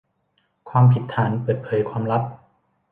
ความผิดฐานเปิดเผยความลับ